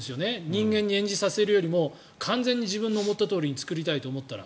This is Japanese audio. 人間に演じさせるよりも完全に自分の思ったとおりに作りたいと思ったら。